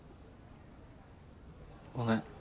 ごめん。